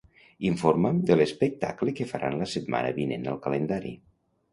Informa'm de l'espectacle que faran la setmana vinent al calendari.